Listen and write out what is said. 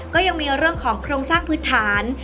ก็ยังมีเรื่องของโครงสร้างพื้นฐาน